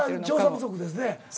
調査不足ですね。